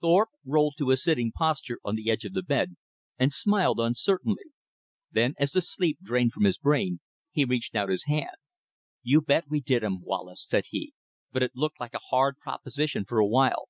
Thorpe rolled to a sitting posture on the edge of the bed, and smiled uncertainly. Then as the sleep drained from his brain, he reached out his hand. "You bet we did 'em, Wallace," said he, "but it looked like a hard proposition for a while."